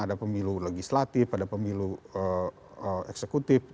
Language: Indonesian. ada pemilu legislatif ada pemilu eksekutif